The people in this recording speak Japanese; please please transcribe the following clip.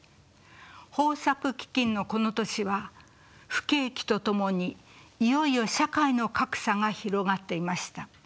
豊作飢きんのこの年は不景気とともにいよいよ社会の格差が広がっていました。